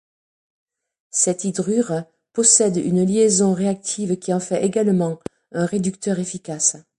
Cet hydrure possède une liaison réactive qui en fait également un réducteur efficace.